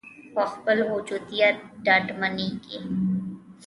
په خپل موجودیت ډاډمنېږو.